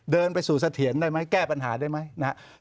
เดินไปสู่เสถียรได้ไหมแก้ปัญหาได้ไหมนะครับ